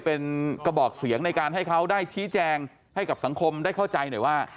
เป็นกระบอกเสียงในการให้เขาได้ชี้แจงให้กับสังคมได้เข้าใจหน่อยว่า